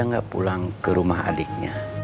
dia gak pulang ke rumah adiknya